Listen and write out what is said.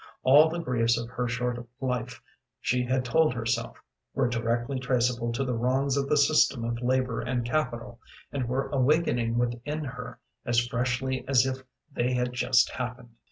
All the griefs of her short life, she had told herself, were directly traceable to the wrongs of the system of labor and capital, and were awakening within her as freshly as if they had just happened.